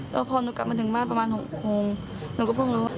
ใช่ค่ะอาจจะช็อก